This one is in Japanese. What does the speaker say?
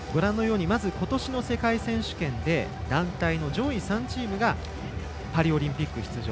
まずことしの世界選手権で団体の上位３チームがパリオリンピック出場。